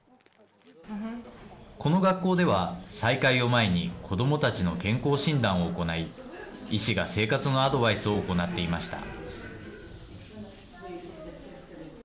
この学校では再開を前に子どもたちの健康診断を行い医師が生活のアドバイスを行っていました。